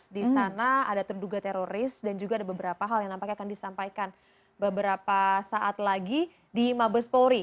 di sana ada terduga teroris dan juga ada beberapa hal yang nampaknya akan disampaikan beberapa saat lagi di mabes polri